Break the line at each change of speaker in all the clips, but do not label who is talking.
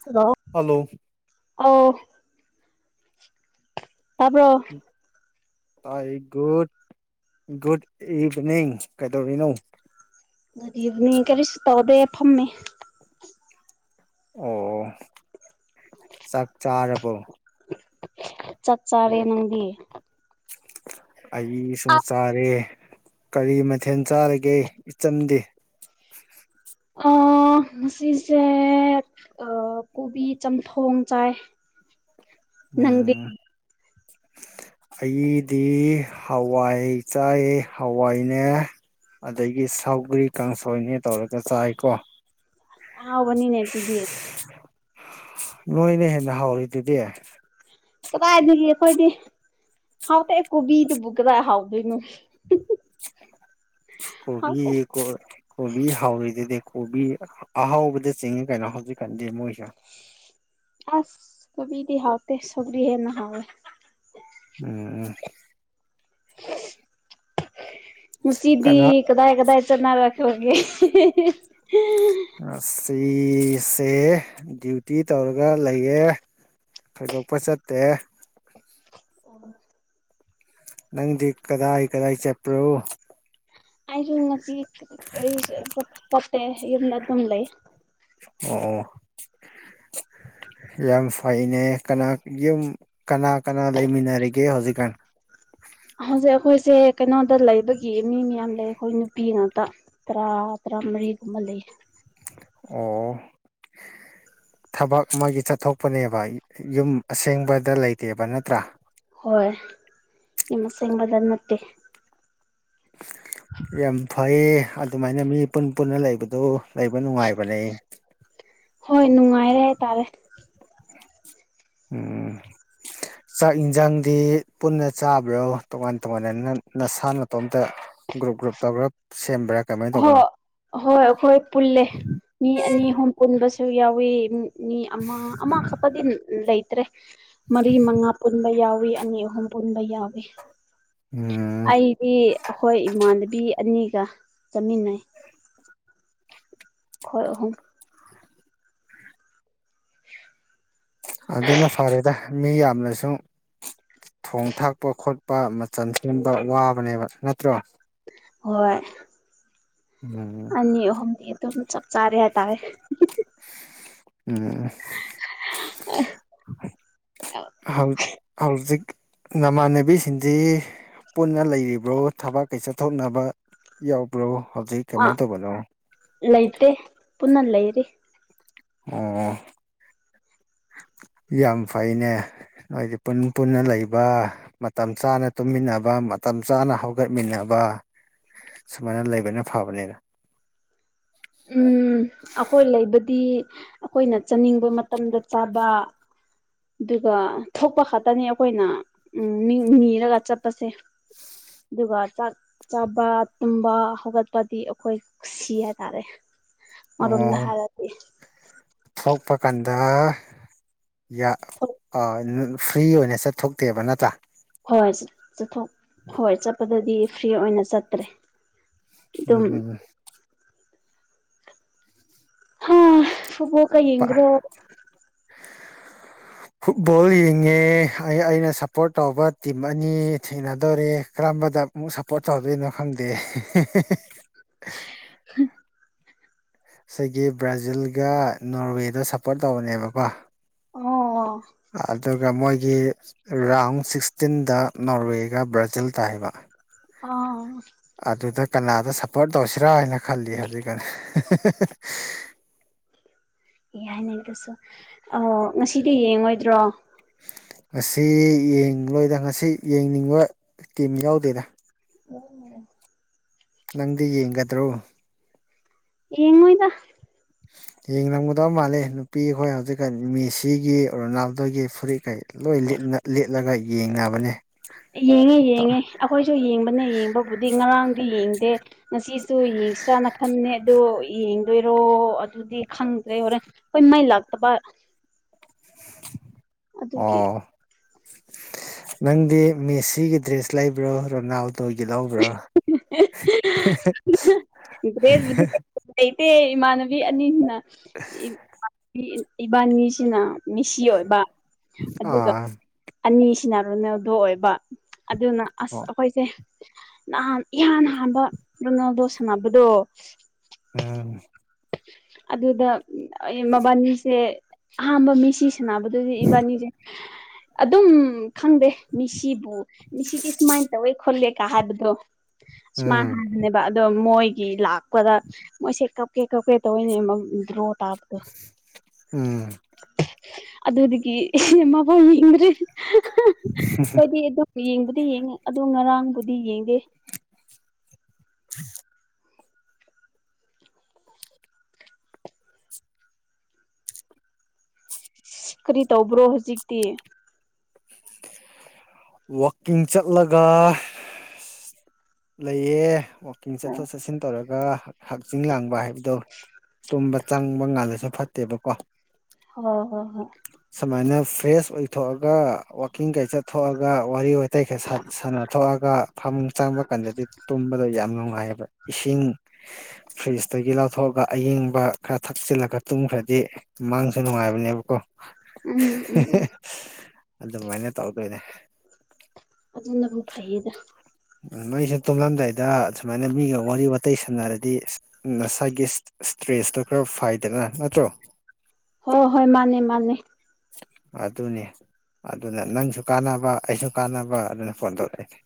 hello
hello
ꯑ ꯇꯄꯔ
good evening ꯀꯩꯗꯧ ꯅꯨ
ꯅꯤ ꯀꯔꯤꯁꯨ ꯇꯧꯗꯦ ꯐꯝꯃꯦ
ꯑꯣ ꯆꯥꯛ ꯆꯥꯔꯕꯣ
ꯆꯠ ꯆꯥꯔꯦ ꯅꯪꯗꯤ
ꯑꯩ ꯁꯨꯝ ꯆꯥꯔꯦ ꯀꯔꯤ ꯃꯊꯦꯜ ꯆꯥꯔꯒꯦ ꯏꯆꯝꯗꯤ
ꯑ ꯉꯁꯤꯁꯦ ꯑ ꯀꯣꯕꯤ ꯆꯝꯊꯣꯡ ꯆꯥꯏ ꯅꯪꯗꯤ
ꯎꯝ ꯑꯩꯗꯤ ꯍꯋꯥꯏ ꯆꯥꯏ ꯍꯋꯥꯏꯅꯦ ꯑꯗꯒꯤ ꯁꯥꯎꯒꯔꯤ ꯀꯥꯡꯁꯣꯏꯅꯦ ꯇꯧꯔꯒ ꯆꯥꯏꯀꯣ
ꯍꯕꯅꯤꯟ ꯍꯦꯇꯗꯤꯦ
ꯅꯣꯏꯅ ꯍꯦꯟꯅ ꯍꯥꯎꯔꯤꯗꯨꯗꯤ
ꯀꯗꯥꯏꯒ ꯑꯩꯈꯣꯏꯗꯤ ꯍꯥꯎ ꯇ ꯑꯦꯣꯕꯤꯗ ꯕꯨꯒꯗꯥ ꯍꯥꯎꯗꯅ
ꯀꯣꯕꯤꯣ ꯀꯣꯕꯤ ꯍꯥꯎ ꯏꯗꯤ ꯀꯣꯕꯤ ꯑꯍꯥꯎꯕꯗ ꯆꯤꯡꯉꯦ ꯀꯩꯅꯣ ꯍꯧꯖꯤꯛꯀꯥꯟꯗꯤ ꯃꯣꯏꯁꯦ
ꯑꯁ ꯀꯕꯤꯗꯤ ꯍꯥꯎ ꯇ ꯁꯒꯔꯤ ꯍꯦꯅꯍꯋꯦ
ꯎꯝ ꯎ
ꯃꯁꯤꯗꯤ
ꯀꯅꯥ
ꯀꯗꯥꯏ ꯀꯗꯥꯏ ꯆꯅ ꯍꯦ
ꯁꯤꯁꯦ ꯗ꯭ꯌꯨꯇꯤ ꯇꯧꯔꯒ ꯂꯩꯌꯦꯦ ꯊꯣꯏꯗꯣꯛꯄ ꯆꯠꯇꯦ
ꯑꯣ
ꯅꯪꯗꯤ ꯀꯗꯥꯏ ꯀꯗꯥꯏ ꯆꯄ꯭ꯔꯣ
ꯑꯩꯁꯨ ꯉꯁꯤ ꯀ ꯈꯣꯠꯇꯦ ꯌꯨꯝꯗ ꯑꯗꯨꯝ ꯂꯩ
ꯑꯣ ꯑꯣ ꯌꯥꯝ ꯐꯩꯅꯦ ꯀꯅꯥ ꯌꯨꯝ ꯀꯅꯥ ꯀꯅꯥ ꯂꯩꯃꯤꯟꯅꯔꯤꯒꯦ ꯌꯦꯦ ꯍꯧꯖꯤꯛ ꯀꯥꯟ
ꯁꯦ ꯀꯩꯅꯣꯗ ꯂꯩꯕꯒꯤ ꯃꯤ ꯃꯌꯥꯝ ꯂꯩ ꯑꯩꯈꯣꯏ ꯅꯨꯄꯤ ꯉꯥꯛꯇ ꯇꯔꯥ ꯇꯔꯥ ꯃꯔꯤꯒꯨꯝꯕ ꯂꯩꯌꯦ
ꯑꯣ ꯊꯕꯛ ꯑꯃꯒꯤ ꯆꯠꯊꯣꯛꯄꯅꯦꯕ ꯌꯨꯝ ꯑꯁꯦꯡꯕꯗ ꯂꯩꯇꯦꯕ ꯅꯠꯇ꯭ꯔꯥ
ꯍꯣꯏ ꯏꯃꯁꯦꯡꯕꯗ ꯅꯠꯇꯦ
ꯌꯥꯝ ꯐꯩ ꯑꯗꯨꯃꯥꯏꯅ ꯃꯤ ꯄꯨꯟ ꯄꯨꯟꯅ ꯂꯩꯕꯗꯨ ꯂꯩꯕ ꯅꯨꯡꯉꯥꯏꯕꯅꯦ
ꯍꯣꯏ ꯅꯨꯡꯉꯥꯏꯔꯦ ꯍꯥꯏꯇꯥꯔꯦ
ꯎꯝ ꯆꯥꯛ ꯌꯦꯟꯁꯥꯡꯗꯤ ꯄꯨꯟꯅ ꯆꯥꯕ꯭ꯔꯣ ꯇꯣꯉꯥꯟ ꯇꯣꯉꯥꯟ ꯑꯣꯣꯟꯅ ꯅꯁꯥ ꯅ ꯃꯇꯣꯝꯇ ꯒ꯭ꯔꯨꯞ ꯒ꯭ꯔꯨꯞ ꯇꯧꯒ꯭ꯔ ꯁꯦꯝꯕ꯭ꯔꯒ
ꯍꯣ ꯍꯣꯏ ꯑꯩꯈꯣꯏ ꯄꯨꯜꯂꯦ ꯃꯤ ꯑꯅꯤ ꯑꯍꯨꯝ ꯄꯨꯟꯕꯁꯨ ꯌꯥꯎꯋꯤ ꯃꯤ ꯑꯃ ꯑꯃꯈꯛꯄꯗꯤ ꯂꯩꯇ꯭ꯔꯦ ꯃꯔꯤ ꯃꯉꯥ ꯄꯨꯟꯕ ꯌꯥꯎꯋ ꯑꯅꯤ ꯑꯍꯨꯝ ꯄꯨꯟꯕ ꯌꯥꯎꯏꯤ
ꯎꯝ
ꯑꯩꯗꯤ ꯑꯩꯈꯣꯏ ꯏꯃꯥꯟꯅꯕꯤ ꯑꯅꯤꯒ ꯆꯥꯃꯤꯟꯅꯩ ꯈꯣꯏꯍꯨꯝ [inaudible]
ꯑꯗꯨꯅ ꯐꯔꯦꯗ ꯃꯤ ꯌꯥꯝꯅꯁꯨ ꯊꯣꯡ ꯊꯥꯛꯄ ꯈꯣꯠꯄ ꯃꯆ ꯁꯦꯝꯕ ꯋꯥꯕꯅꯦꯕ ꯅꯠꯇ꯭ꯔꯣ
ꯍꯣꯏ
ꯎꯝ
ꯑꯅꯤ ꯑꯣꯍ ꯑꯗꯨ ꯆ ꯆꯥꯔꯦ ꯍꯥꯏ ꯇꯥꯔꯦ
ꯎꯝ ꯍꯜ ꯍꯜꯖꯤꯛ ꯅꯃꯥꯟꯅꯕꯤꯁꯤꯡꯗꯤ ꯄꯨꯟꯅ ꯂꯩꯔꯤꯕ꯭ꯔꯣ ꯊꯕꯛ ꯀꯩ ꯆꯠꯊꯣꯛꯅꯕ ꯌꯥꯎꯕ꯭ꯔꯣ ꯍꯧꯖꯤ ꯀ
ꯑ
ꯃ ꯇ ꯂꯣ
ꯂꯩꯇꯦ ꯄꯨꯟꯅ ꯂꯩꯦꯔꯤ
ꯑꯣ ꯌꯥꯝ ꯐꯩꯅꯦ ꯍꯥꯏꯣꯏꯗꯤ ꯄꯨꯟ ꯄꯨꯟꯅ ꯂꯩꯕ ꯃꯇꯝ ꯆꯥꯅ ꯇꯨꯝꯃꯤꯟꯅꯕ ꯃꯇꯝ ꯆꯥꯅ ꯍꯧꯒꯠꯃꯤꯟꯅꯕ ꯁꯨꯃꯥꯏꯅ ꯂꯩꯕꯅ ꯐꯕꯅꯤꯅ
ꯎꯝ ꯑꯩꯈꯣꯏ ꯂꯩꯕꯗꯤ ꯑꯩꯈꯣꯏꯅ ꯆꯥꯅꯤꯡꯕ ꯃꯇꯝꯗ ꯆꯥꯕ ꯑꯗꯨꯒ ꯊꯣꯛꯄ ꯈꯛꯇꯅꯤ ꯑꯩꯈꯣꯏꯅ ꯎ ꯃꯤ ꯅꯤꯔꯒ ꯆꯠꯄꯁꯦ ꯑꯗꯨꯒ ꯆꯥꯛ ꯆꯥꯕ ꯇꯨꯝꯕ ꯍꯧꯒꯠꯄꯗꯤ ꯑꯩꯈꯣꯏ ꯁꯤ ꯍꯥꯏ ꯇꯔꯦ ꯃꯔꯝꯗ ꯍꯥꯏꯔꯗꯤ
ꯆꯠꯄ ꯀꯥꯟꯗ ꯐ꯭ꯔꯤ ꯑꯣꯏꯅ ꯆꯠꯊꯣꯛꯇꯦꯕ ꯅꯠꯇ꯭ꯔꯥ
ꯍꯣꯏ ꯆꯠꯊꯣꯛ ꯍꯣꯏ ꯆꯠꯄꯗꯗꯤ ꯐ꯭ꯔꯤ ꯑꯣꯏꯅ ꯆꯠꯇ꯭ꯔꯦ
ꯎꯝ
ꯑꯗꯨꯝ
ꯎꯝꯝ
ꯍꯥ ꯐꯨꯕꯣ ꯀ
ꯄꯥ-
ꯌꯦꯡ꯭ꯔꯣ
[unintelligible] ꯐꯨꯠꯕꯣꯜ ꯌꯦꯡꯉꯦ ꯑꯩꯅ ꯁꯞꯄꯣꯔꯠ ꯇꯧꯕ ꯇꯤꯝ ꯑꯅꯤ ꯊꯦꯡꯅꯗꯧꯣꯔꯦ ꯀꯔꯝꯕꯗ ꯑꯃꯨꯛ ꯁꯞꯄꯣꯔꯠ ꯇꯧꯗꯣꯏꯅꯣ ꯈꯪꯗꯦ ꯁꯤꯒꯤ ꯕ꯭ꯔꯥꯖꯤꯜꯒ ꯅꯣꯔꯋꯦꯗ ꯁꯞꯄꯣꯔꯠ ꯇꯧꯕꯅꯦꯕꯀꯣ
ꯑꯣ
ꯑꯗ ꯀ ꯃꯣꯏ ꯑꯩ ꯒꯤ ꯔꯥꯎꯟ ꯁꯤꯛꯁꯇꯤꯟꯗ ꯅꯣꯔꯋꯦꯒ ꯕ꯭ꯔꯥꯖꯤꯜ ꯇꯥꯕ
ꯑꯥ
ꯁꯞꯄꯣꯔꯠ ꯇꯧꯁꯤꯔꯥ ꯍꯥꯏꯅ [unintelligible]
ꯌꯥꯅꯦꯒꯁꯨ ꯑꯣ ꯉꯁꯤꯗꯤ ꯌꯦꯡꯉꯣꯏꯗ꯭ꯔꯣ
ꯉꯁꯤ ꯌꯦꯡꯂ ꯂꯣꯏꯗ ꯉꯁꯤ ꯌꯦꯡꯅꯤꯡꯕ ꯀꯤꯝ ꯌꯥꯎꯗꯦꯗ
ꯑꯣ
ꯅꯪꯗꯤ ꯌꯦꯡꯒꯗ꯭ꯔꯣ
ꯌꯦꯉꯣꯏꯗ
ꯌꯦꯡꯉꯝꯒꯗꯕ ꯃꯥꯜꯂꯦ ꯅꯨꯄꯤ ꯑꯩꯈꯣꯏ ꯍꯧꯖꯤꯛꯀꯥꯟ ꯃꯦꯁꯤꯒꯤ ꯔꯣꯅꯥꯜꯗꯣꯒꯤ ꯐꯨꯔꯤꯠꯈꯩ ꯂꯣꯏ ꯂꯤ ꯂꯤꯠꯂꯒ ꯌꯦꯡꯅꯕꯅꯦ
ꯌꯦꯡꯉꯦ ꯌꯦꯡꯉꯦ ꯑꯩꯈꯣꯏꯁꯨ ꯌꯦꯡꯕꯅꯦ ꯌꯦꯡꯕꯕꯨꯗꯤ ꯉꯔꯥꯡꯗꯤ ꯌꯦꯡꯗꯦ ꯉꯁꯤꯁꯨ ꯌꯦ ꯏꯁꯇꯥꯅ ꯈꯅꯦ ꯑꯗꯨ ꯗꯣꯏꯔꯣ ꯑꯗꯨꯗꯤ ꯈꯪꯗ꯭ꯔꯦ ꯍꯣꯔꯦꯟ ꯑꯩꯈꯣꯏ ꯃꯥꯏ ꯂꯥꯛꯇꯕ ꯑꯗꯨꯒꯤ
ꯑꯣ ꯅꯪꯗꯤ ꯃꯦꯁꯤꯒꯤ ꯗ꯭ꯔꯦꯁ ꯂꯩꯕ꯭ꯔꯣ ꯔꯣꯅꯥꯜꯗꯣꯒꯤ ꯂꯧꯕ꯭ꯔꯣ [unintelligible]
꯭ꯔꯦꯖꯕꯨꯗꯤ ꯂꯩꯇꯦ ꯏꯃꯥꯟꯅꯕꯤ ꯑꯅꯤꯁꯤꯅ ꯏꯕꯥꯅꯤꯁꯤꯅ ꯃꯤꯁꯤ ꯑꯣꯏꯕ ꯑꯗꯨꯒ
ꯑꯥ
ꯑꯅꯤ ꯁꯤꯟꯅꯔꯨꯅꯦꯗꯣ ꯑꯣꯏꯕ ꯑꯗꯨꯅ ꯑꯁ
ꯑꯣ
ꯑꯩꯈꯣꯏꯁꯦ ꯅꯍꯥꯟ ꯏꯍꯥꯟ ꯍꯥꯟꯕ ꯅꯉꯗꯣ ꯁꯥꯟꯅꯕꯗꯣ
ꯎꯝ
ꯑꯗꯨꯗ ꯃꯕꯥꯅꯤꯁꯦ ꯑꯍꯝꯕ ꯃꯤꯁꯤꯁꯦ ꯁꯅꯕꯗꯨꯗꯤ ꯏꯕꯥꯅꯤꯁꯦ ꯑꯗꯨꯝ ꯈꯪꯗꯦ ꯃꯤꯁꯤꯕꯨ ꯃꯤꯁꯤꯗꯤ ꯁꯨꯃꯥꯏꯅ ꯇꯧꯋꯦ ꯈꯣꯠꯂꯦ ꯀ ꯍꯥꯏꯕꯗꯣ ꯁꯨꯃꯥꯏꯅ
ꯎꯝ
ꯍꯕꯅꯦꯕ ꯑꯗꯣ ꯃꯣꯏꯒꯤ ꯂꯥꯛꯄꯗ ꯃꯣꯏꯁꯦ ꯀ ꯀꯀꯩ ꯀꯀꯩ ꯇ ꯑꯣꯏ ꯔꯣꯇꯗ
ꯎꯝ
ꯑꯗꯨꯗꯒꯤ ꯃꯕꯥꯎ ꯌꯦꯡꯗ꯭ꯔꯦ ꯍꯥꯏꯣꯏꯗꯤ ꯑꯗꯨ ꯌꯦꯡꯕꯨꯗꯤ ꯌꯦꯡꯉ ꯑꯗꯨ ꯉꯔꯥꯡ ꯄꯨꯗꯤ ꯌꯦꯡꯒꯦ
[inaudible]
ꯑ ꯀꯔꯤ ꯇꯧꯕ꯭ꯔꯣ ꯍꯧꯖꯤꯛꯇꯤ
ꯋꯥꯋꯀꯤꯡ ꯆꯠꯂꯒ ꯂꯩꯌꯦ ꯋꯥꯛꯀꯤꯡ ꯆꯠꯊꯣꯛ ꯆꯠꯁꯤꯟ ꯇꯧꯔꯒ ꯍꯛꯆꯤꯡ ꯂꯥꯡꯕ ꯍꯥꯏꯕꯗꯣ ꯇꯨꯝꯕ ꯆꯪꯕ ꯉꯜꯂꯁꯨ ꯐꯠꯇꯦꯕꯀꯣ
ꯍ ꯍꯣꯏ ꯍꯣꯏ
ꯁꯨꯃꯥꯏꯅ ꯐ꯭ꯔꯦꯁ ꯑꯣꯏꯊꯣꯛꯑꯒ ꯋꯥꯛꯀꯤꯡ ꯀꯩ ꯆꯠꯊꯣꯛꯑꯒ ꯋꯥꯔꯤ ꯑꯇꯩ ꯈ ꯁꯥꯟꯅꯊꯣꯛꯑꯒ ꯐꯃꯨꯡ ꯆꯪꯕ ꯀꯥꯟꯗꯗꯤ ꯇꯨꯝꯕꯗꯣ ꯌꯥ ꯌꯥꯝ ꯅꯨꯡꯉꯥꯏꯌꯦꯕ ꯏꯁꯤꯡ ꯐ꯭ꯔꯤꯖꯇꯒꯤ ꯂꯧꯊꯣꯛꯑꯒ ꯑꯌꯤꯡꯕ ꯈꯔ ꯊꯛꯆꯤꯜꯂꯒ ꯇꯨꯡ ꯃꯥꯡꯈ꯭ꯔꯗꯤ ꯃꯥꯡꯁꯨ ꯅꯨꯡꯉꯥꯏꯕꯅꯦꯕꯀꯣ
ꯎꯝ ꯎꯝ ꯎꯝ ꯎꯝ
ꯑꯗꯨꯃꯥꯏꯅ ꯇꯧꯗꯣꯏꯅꯦ
ꯂꯕꯨ ꯐꯩꯌꯦꯗ
ꯎ ꯃꯣꯏꯁꯦ ꯇꯨꯝꯂꯝꯗꯥꯏꯗ ꯁꯃꯥꯏꯅ ꯃꯤꯒ ꯋꯥꯔꯤ ꯋꯥꯇꯥꯏ ꯁꯥꯟꯅꯔꯗꯤ ꯉꯁꯥꯏꯒꯤ ꯏꯁꯇ꯭ꯔꯦꯁꯇꯣ ꯈꯔ ꯐꯥꯏꯗꯅ ꯅꯠꯇ꯭ꯔꯣ
ꯍ ꯍꯣꯏ ꯃꯥꯅꯦ ꯃꯥꯅꯦ
ꯑꯗꯨ ꯑꯗꯨꯅꯦ ꯑꯗꯨꯅ ꯅꯪꯁꯨ ꯀꯥꯟꯅꯕ ꯑꯩꯁꯨ ꯀꯥꯟꯅꯕ ꯑꯗꯨꯅ ꯐꯣꯟ ꯇꯧꯔꯛꯑꯏꯦ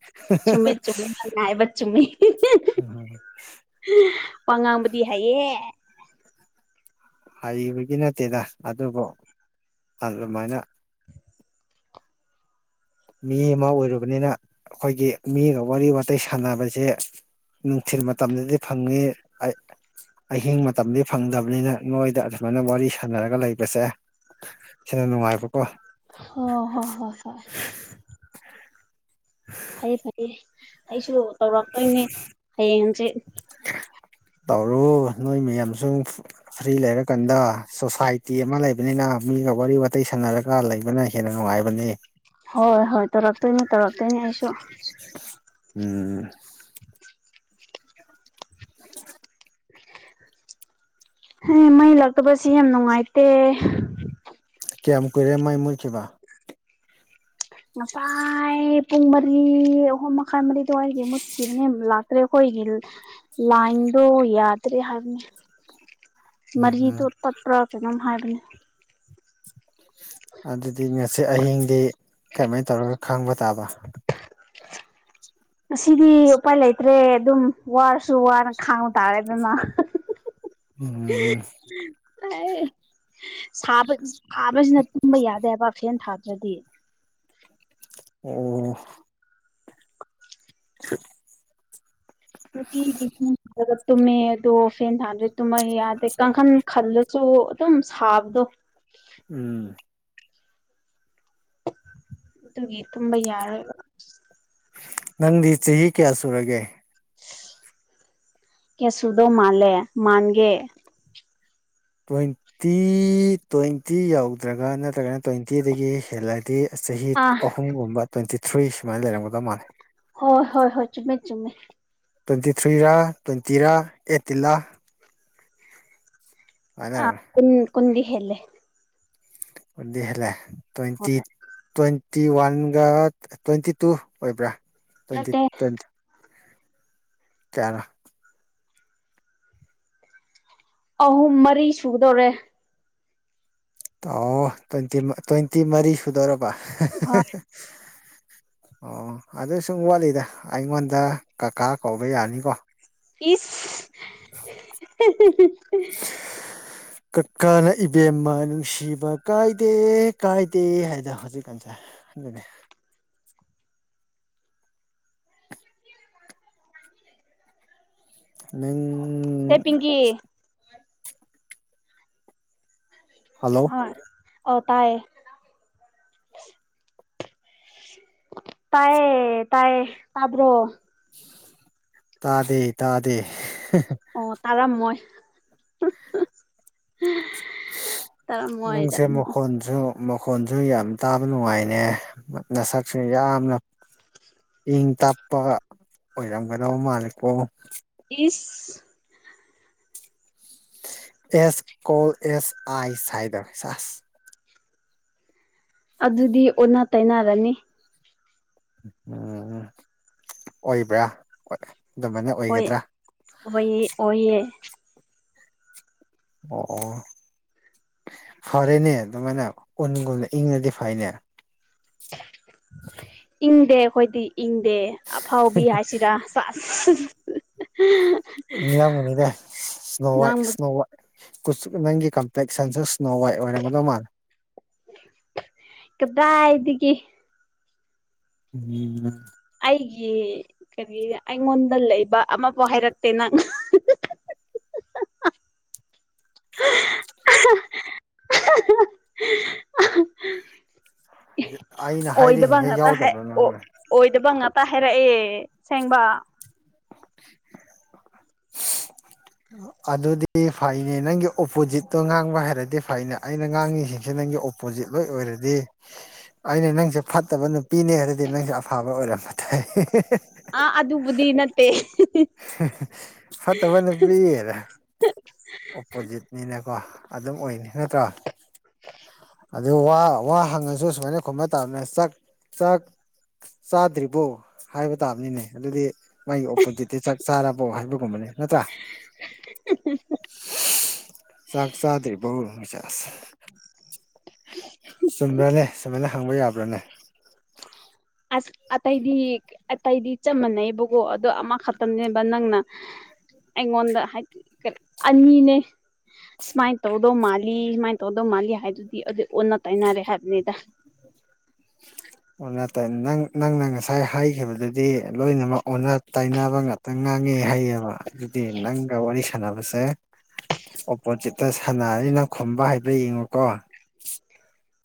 ꯆꯨꯝꯃꯦ ꯆꯨꯝꯃꯦꯕ ꯆꯨꯝꯃꯤ ꯋꯥ ꯉꯥꯡꯕꯗꯤ ꯍꯥꯏꯑ
ꯍꯕꯒꯤ ꯅꯠꯇꯦꯗ ꯑꯗꯨꯕꯨ ꯑꯗꯨꯃꯥꯏꯅ ꯃꯤ ꯑꯃ ꯑꯣꯏꯔꯨꯕꯅꯤꯅ ꯑꯩꯈꯣꯏꯒꯤ ꯃꯤꯒ ꯋꯥꯔꯤ ꯋꯥꯇꯥꯏ ꯁꯥꯟꯅꯕꯁꯦ ꯅꯨꯡꯊꯤꯜ ꯃꯇꯝꯗꯗꯤ ꯐꯪꯉꯤ ꯑꯍꯤꯡ ꯃꯇꯝꯗꯤ ꯐꯪꯗꯕꯅꯤꯅ ꯅꯣꯏꯗ ꯑꯗꯨꯃꯥꯏꯅ ꯋꯥꯔꯤ ꯁꯥꯟꯅꯔꯒ ꯂꯩꯕꯁꯦ ꯁꯤꯅ ꯅꯨꯡꯉꯥꯏꯕꯀꯣ
ꯍ ꯍꯣ ꯍꯣ ꯍꯣꯏ ꯐꯩꯌꯦ ꯐꯩꯌꯦ ꯑꯩꯁꯨ ꯇꯧꯔꯛꯇꯣꯏꯅꯦ ꯍꯌꯦꯡꯁꯦꯠ
ꯇꯧꯔꯨ ꯅꯣꯏ ꯃꯌꯥꯝꯁꯨ ꯐ꯭ꯔꯤ ꯂꯩꯔꯀꯥꯟꯗ ꯁꯣꯁꯥꯏꯇꯤ ꯑꯃ ꯂꯩꯕꯅꯤꯅ ꯃꯤ ꯁꯤꯒ ꯋꯥꯔꯤ ꯋꯥꯇ ꯁꯥꯟꯅꯔꯒ ꯂꯩꯕꯅ ꯍꯦꯟꯅ ꯅꯨꯡꯉꯥꯏꯕꯅꯦ
ꯍꯣꯏ ꯍꯣꯏ ꯇꯧꯔꯛꯇꯣꯏꯅꯤ ꯇꯧꯔꯛꯇꯣꯏꯅꯤ ꯑꯩꯁꯨ
ꯎꯝ [inaudible]
ꯑꯦ ꯃꯩ ꯂꯥꯛꯇꯕꯁꯤ ꯌꯥꯝ ꯅꯨꯡꯉꯥꯏꯇꯦ
ꯀꯌꯥꯝ ꯀꯨꯏꯔꯦ ꯃꯥꯏ ꯃꯨꯣꯏꯈꯤꯕꯈꯤꯕ
ꯉꯁꯥꯏ ꯄꯨꯡ ꯃꯔꯤ ꯑꯍꯨꯝ ꯃꯈꯥꯏ ꯃꯔꯤ ꯑꯗꯨꯋꯥꯏꯒꯤ ꯃꯨꯠꯈꯤꯕꯅꯦ ꯂꯥꯛ ꯑꯩꯈꯣꯏꯒꯤ ꯂꯥꯏꯟꯗꯣ ꯌꯥꯗ꯭ꯔꯦ ꯍꯥꯏꯕꯅꯦ
ꯎꯝ ꯎꯝ
ꯃꯔꯤꯗꯣ ꯄꯠꯄ꯭ꯔꯥ ꯀꯩꯅꯣꯝ ꯍꯥꯏꯕꯅꯦ
ꯑꯗꯨꯗꯤ ꯉꯁꯤ ꯑꯍꯤꯡꯗꯤ ꯀꯃꯥꯏꯅ ꯇꯧꯔꯒ ꯈꯪꯕ ꯇꯥꯕ
ꯉꯁꯤꯗꯤ ꯎꯄꯥꯏ ꯂꯩꯇ꯭ꯔꯦ ꯑꯗꯨꯝ ꯋꯥꯔꯁꯨ ꯋꯥꯅ ꯈꯥꯡꯕ ꯇꯥꯔꯦ ꯑꯗꯨꯅ
ꯎꯝ
ꯁꯥꯕ ꯁꯥꯕꯁꯤꯅ ꯇꯨꯝꯕ ꯌꯥꯗꯦ ꯍꯥꯏꯕ ꯐꯦꯟ ꯊꯥꯕ ꯑꯗꯨꯗꯤ
ꯑꯣꯝ [inaudible]
ꯅꯨꯡꯇꯤꯒꯤ ꯐꯦꯟꯊꯥꯔꯒ ꯇꯨꯝꯃꯦ ꯑꯗꯣ ꯐꯦꯟ ꯊꯥꯗꯗꯤ ꯇꯨꯝꯃ ꯌꯥꯗꯦ ꯀꯥꯡꯈꯟ ꯈꯜꯂꯁꯨ ꯑꯗꯨꯝ ꯁꯥꯕꯗꯣ
ꯎꯝ
ꯑꯗꯨꯒꯤ ꯇꯨꯝꯕ ꯌꯥꯔꯣꯏꯕ
ꯅꯗꯤ ꯆꯦ ꯍꯤ ꯀꯦꯌꯥꯁꯨꯔꯒꯦ
ꯀꯁꯗꯣ ꯃꯥꯂꯦ ꯃꯥꯟꯒꯦ
ꯇ꯭ꯋꯦꯟꯇꯤ ꯇ꯭ꯋꯦꯟꯇꯤ ꯌꯧꯗ꯭ꯔꯒ ꯅꯠꯇ꯭ꯔꯒꯅ ꯇ꯭ꯋꯦꯟꯇꯤꯗꯒꯤ ꯍꯦꯜꯂꯗꯤ ꯆꯍꯤ
ꯑꯥ
ꯑꯍꯨꯝꯒꯨꯝꯕ ꯇ꯭ꯋꯦꯟꯇꯤ ꯊ꯭ꯔꯤ ꯁꯨꯃꯥꯏꯅ ꯂꯩꯔꯝꯒꯗꯧ ꯃꯥꯜꯂꯦ
ꯍꯣꯏ ꯍꯣꯏ ꯍꯣꯏ ꯆꯃꯦ ꯆꯨꯝꯃꯦ
ꯇ꯭ꯋꯦꯟꯇꯤ ꯊ꯭ꯔꯤꯔ ꯇ꯭ꯋꯦꯟꯇꯤꯔꯥ ꯑꯩꯠꯇꯤꯂꯥ
ꯑꯟ ꯀꯨꯗꯤ ꯍꯦꯜꯂꯦ
ꯗꯤ ꯇ꯭ꯋꯦꯟꯇꯤ
ꯍꯣꯏ
ꯇꯋ ꯐꯥꯇꯤ ꯋꯥꯟꯒ ꯇ꯭ꯋꯦꯟꯇꯤ ꯇꯨ ꯑꯣꯏꯕ꯭ꯔꯥ ꯇ꯭ꯋꯦꯟꯇꯤ
ꯅꯠꯇꯦ
ꯇ꯭ꯋꯦꯟꯇꯤ ꯀꯌꯥ ꯅꯣ
ꯑꯍꯨꯝ ꯃꯔꯤ ꯁꯨꯒꯗꯧꯔꯦ
ꯑꯣ ꯇ꯭ꯋꯦꯟꯇꯤ ꯇ꯭ꯋꯦꯟꯇꯤ ꯃꯔꯤ ꯁꯨꯗꯧꯔꯕ
ꯍꯣꯏ
ꯑꯣ ꯑꯗꯨ ꯁꯨꯝ ꯋꯥꯠꯂꯤꯗ ꯑꯩꯉꯣꯟꯗ ꯀꯀꯥ ꯀꯧꯕ ꯌꯥꯅꯤꯀꯣ
[unintelligible]
ꯀꯀꯥꯅ ꯏꯕꯦꯝꯃ ꯅꯨꯡꯁꯤꯕ ꯀꯥꯏꯗꯦ ꯀꯥꯏꯗꯦ ꯍꯥꯏꯗ ꯍꯧꯖꯤꯛꯀꯥꯟꯁꯦ ꯈꯪꯗꯦ ꯅꯪ
ꯍꯦ ꯄꯤꯡꯀꯤ
ꯍꯜꯂꯣ
ꯍꯣꯏ ꯑꯣ ꯇꯥꯏꯌꯦ ꯇꯥꯏ ꯇꯥꯏ ꯇꯕ꯭ꯔꯣ
ꯇꯥꯗꯦ ꯇꯥꯗꯦ
ꯑꯣ ꯇꯔꯥ ꯃꯣꯏ ꯇꯥꯔꯝꯃꯣꯏ
ꯅꯪꯁꯦ
ꯇꯥꯔꯝꯃꯣꯏ
ꯈꯣꯟꯟꯁꯨ ꯃꯈꯣꯟꯁꯨ ꯌꯥꯝ ꯇꯥꯕ ꯅꯨꯡꯉꯥꯏꯅꯦ ꯅꯁꯛꯁꯨ ꯌꯥꯝꯅ ꯏꯪ ꯇꯞꯄ ꯑꯣꯏꯔꯝꯒꯗꯕ ꯃꯥꯜꯂꯦꯀꯣ
ꯏꯁꯁ
ꯑꯦꯁ ꯀꯣꯜ ꯑꯦꯁ ꯑꯥꯏ ꯁꯥꯏꯗ ꯆꯁ
ꯑꯗꯨꯗꯤ ꯑꯣꯟꯅ ꯇꯩꯅꯅꯔꯅꯤ
ꯎꯝ ꯑꯣꯏꯕ꯭ꯔꯥ ꯍꯣꯏ ꯑꯗꯨꯃꯥꯏꯅ
ꯑꯣꯏ
ꯑꯣꯏꯒꯗ꯭ꯔꯥ
ꯑꯣꯏꯌꯦ ꯑꯣꯏꯌꯦ
ꯑꯣ ꯑꯣ ꯐꯔꯦꯅꯦ ꯑꯗꯨꯃꯅꯒ ꯏꯪꯔꯖ ꯐꯅꯦ
ꯏꯪꯗꯦ ꯑꯩꯈꯣꯏꯗꯤ ꯏꯪꯗꯦ ꯑꯐꯥꯎꯕꯤ ꯍꯥꯏꯁꯤꯔꯥ [unintelligible]
ꯅꯪ ꯕꯨꯅꯤꯗ ꯁꯅꯣ ꯋꯥꯏ
ꯉꯥꯡꯕ
ꯁꯅꯣ ꯋꯥꯏ ꯀꯨꯆꯛ ꯅꯪꯒꯤ ꯀꯝꯄ꯭ꯂꯦꯛꯁ ꯁꯦꯟꯁꯔ ꯁꯅꯣꯋꯥꯏ ꯑꯣꯏꯔꯝꯒꯗꯧ ꯃꯥꯜꯂꯦ
ꯀꯗꯥꯢ ꯗꯒꯤ
ꯎꯝ
ꯑꯩꯒꯤ ꯀꯔꯤ ꯑꯩꯉꯣꯟꯗ ꯂꯩꯕ ꯑꯃꯕꯨꯥꯎ ꯍꯥꯏꯔꯛꯇꯦ ꯅꯪ
[unintelligible] [unintelligible]
[unintelligible]
[unintelligible]
ꯑꯣꯏꯗꯕ
ꯍꯥꯏꯔꯤꯁꯤꯡꯁꯦ
ꯉꯇ
ꯌꯥꯎꯗꯕ꯭ꯔꯥ ꯅꯪ
ꯑꯣꯏꯗꯕ ꯉꯇ ꯍꯥꯏꯔꯛꯑꯦ ꯁꯦꯡꯕ
[unintelligible] ꯑꯗꯨꯗꯤ ꯐꯩꯅꯦ ꯅꯪꯒꯤ ꯑꯣꯄꯣꯖꯤꯠꯇꯣ ꯉꯥꯡꯕ ꯍꯥꯏꯔꯗꯤ ꯐꯩꯅꯦ ꯑꯩꯅ ꯉꯥꯡꯉꯤꯁꯤꯡꯁꯤ ꯅ ꯑꯣꯄꯣꯖꯤꯠ ꯂꯣꯏ ꯑꯣꯏꯔꯗꯤ ꯑꯩꯅ ꯅꯪꯁꯦ ꯐꯠꯇꯕ ꯅꯨꯄꯤꯅꯦ ꯍꯥꯏꯔꯗꯤ ꯅꯪꯁꯨꯦ ꯑꯐꯕ ꯑꯣꯏꯔꯝꯕ ꯇꯥꯏ
ꯑ ꯑꯗꯨ ꯑꯗꯨꯕꯨꯗꯤ ꯅꯠꯇꯦ
ꯐꯠꯇꯕ ꯅꯨꯄꯤ ꯑꯣꯄꯣꯖꯤꯠꯅꯤꯅꯀꯣ ꯑꯗꯨꯝ ꯑꯣꯏꯅꯤ ꯅꯠꯇ꯭ꯔꯣ
[unintelligible]
ꯑꯗꯨ ꯋꯥ ꯋꯥ ꯍꯪꯉꯁꯨ ꯁꯨꯃꯥꯏꯅ ꯈꯨꯝꯕ ꯇꯥꯗ ꯆꯥꯛ ꯆꯥꯛ ꯆꯥꯗ꯭ꯔꯤꯕꯣ ꯍꯥꯏꯕ ꯇꯥꯕꯅꯤꯅꯦ ꯑꯗꯨꯗꯤ ꯃꯥꯒꯤ ꯑꯣꯄꯣꯖꯤꯠꯇꯤ ꯆꯥꯛ ꯆꯥꯔꯕꯣ ꯍꯥꯏꯕꯒꯨꯝꯕꯅꯦ ꯅꯠꯇ꯭ꯔꯥ ꯁꯥꯛ ꯁꯥꯗ꯭ꯔꯤ ꯕ ꯍ ꯆꯨꯝꯕ꯭ꯔꯅꯦ ꯁꯨꯃꯥꯏꯅ ꯍꯪꯕ ꯌꯥꯕ꯭ꯔꯥꯅꯦ
ꯑꯁ ꯑꯇꯩꯗꯤ ꯑꯇꯩꯗꯤ ꯆꯞ ꯃꯥꯟꯅꯩꯑꯕꯀꯣ ꯑꯗꯣ ꯑꯃꯈꯛꯇꯅꯦꯕ ꯅꯪꯅ ꯑꯩꯉꯣꯟꯗ ꯍꯥꯏꯗꯤ ꯑꯅꯤꯅꯦ ꯁꯨꯃꯥꯏꯅ ꯇꯧꯗꯧ ꯃꯥꯜꯂꯤ ꯁꯨꯃꯥꯏꯅ ꯇꯧꯗꯧ ꯃꯥꯜꯂꯤ ꯍꯥꯏꯗꯨꯗꯤ ꯑꯗꯨ ꯑꯣꯟꯅ ꯇꯩꯅꯅꯔꯦ ꯍꯥꯏꯕꯅꯤꯗ
[unintelligible] [unintelligible] ꯑꯣ ꯅ ꯅꯪꯅ ꯉꯁꯥꯏ ꯍꯥꯏꯈꯤꯕꯗꯨꯗꯤ ꯂꯣꯏꯅꯃꯛ ꯑꯣꯟꯅ ꯇꯩꯅꯅꯕ ꯉꯥꯛꯇ ꯉꯥꯡꯉ ꯈꯪꯉꯦ ꯍꯥꯏꯩꯌꯦꯕ ꯑꯗꯨꯗꯤ ꯅꯪꯒ ꯋꯥꯔꯤ ꯁꯥꯟꯅꯕꯁꯦ ꯑꯣꯄꯣꯖꯤꯠꯇ ꯁꯥꯟꯅꯅꯤꯅ ꯈꯨꯝꯕ ꯍꯥꯏꯕ ꯌꯦꯡꯉꯨꯀꯣ